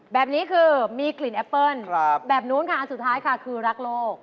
แบบนี้คือมีกลิ่นแอปเปิ้ลแบบนู้นค่ะอันสุดท้ายค่ะคือรักโลก